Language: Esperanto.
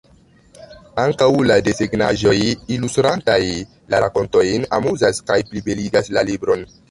Ankaŭ la desegnaĵoj, ilustrantaj la rakontojn, amuzas kaj plibeligas la libron.